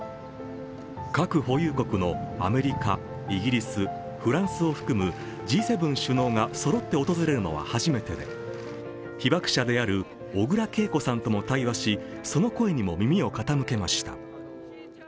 核保有国のアメリカ、イギリス、フランスを含むＧ７首脳がそろって訪れるのは初めてで被爆者である小倉桂子さんとも対話し、その声にも耳を傾けました。